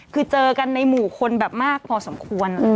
คือเจอกันในหมู่คนแบบมากพอสมควร